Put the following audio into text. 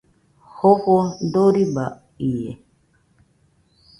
Jofo dorɨba ie